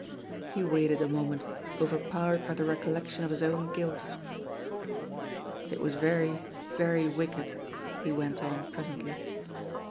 He waited a moment, overpowered by the recollection of his own guilt " It was very, very wicked," he went on presently.